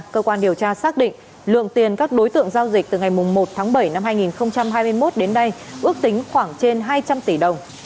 cơ quan điều tra xác định lượng tiền các đối tượng giao dịch từ ngày một tháng bảy năm hai nghìn hai mươi một đến nay ước tính khoảng trên hai trăm linh tỷ đồng